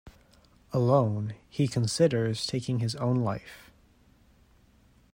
Alone, he considers taking his own life.